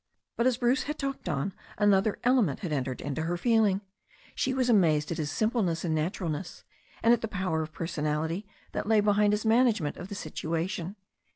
But, as Bruce had talked on, another element had entered into her feeling. She was amazed at his simpleness and naturalness, and at the power of personality that lay behind his management of the situation.